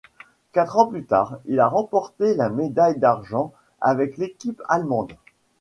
Quatre ans plus tard il a remporté la médaille d'argent avec l'équipe allemande.